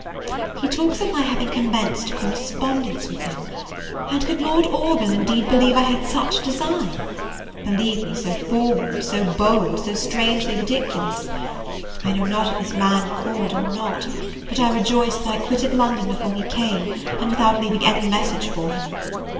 He talks of my having commenced a correspondence with him: and could Lord Orville indeed believe I had such a design? believe me so forward, so bold, so strangely ridiculous? I know not if his man called or not; but I rejoice that I quitted London before he came, and without leaving any message for him.